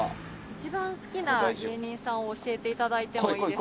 一番好きな芸人さんを教えていただいてもいいですか？